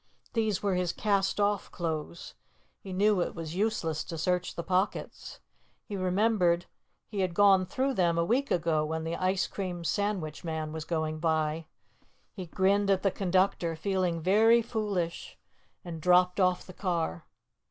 These were his cast off clothes. He knew it was useless to search the pockets. He remembered he had gone through them a week ago, when the ice cream sandwich man was going by. He grinned at the conductor, feeling very foolish, and dropped off the car.